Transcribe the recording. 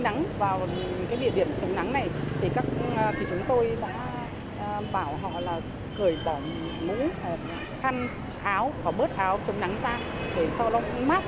bà nguyễn thị hà bà chẳng may bị tụt huyết áp chóng mặt